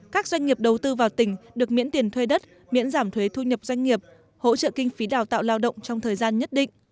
các doanh nghiệp đầu tư vào tỉnh được miễn tiền thuê đất miễn giảm thuế thu nhập doanh nghiệp hỗ trợ kinh phí đào tạo lao động trong thời gian nhất định